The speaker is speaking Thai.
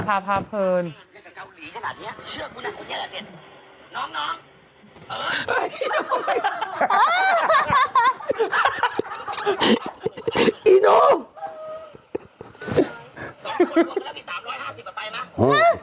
เป็นการกระตุ้นการไหลเวียนของเลือด